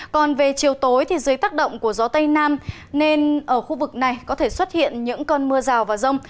còn về chiều tối dưới tác động của gió tây nam nên ở khu vực này có thể xuất hiện những cơn mưa rào và rông